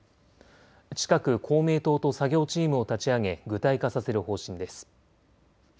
近く公明党と作業チームを立ち上げ具体化させる方針です。